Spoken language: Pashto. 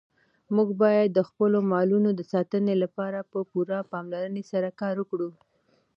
موږ باید د خپلو مالونو د ساتنې لپاره په پوره پاملرنې سره کار وکړو.